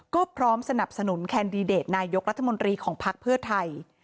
ก็พร้อมสนับสนุนแคนดิเดตนายกรัฐมนตรีของภักดิ์เพื่อไทย